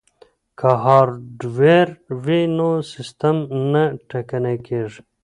که هارډویر وي نو سیستم نه ټکنی کیږي.